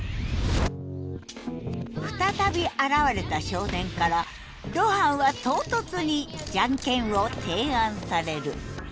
再び現れた少年から露伴は唐突に「ジャンケン」を提案される。